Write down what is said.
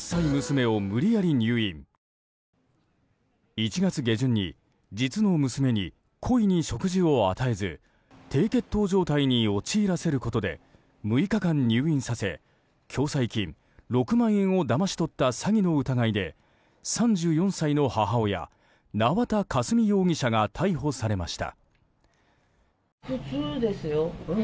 １月下旬に実の娘に故意に食事を与えず低血糖状態に陥らせることで６日間、入院させ共済金６万円をだまし取った詐欺の疑いで３４歳の母親、縄田佳純容疑者が逮捕されました。